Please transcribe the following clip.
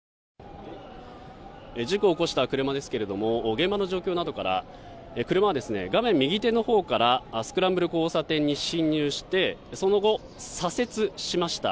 事故を起こした車ですけども現場の状況などから車は、画面右手のほうからスクランブル交差点に進入してその後、左折しました。